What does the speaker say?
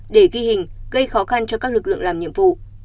để ghi hình gây khó khăn cho các lực lượng làm nhiệm vụ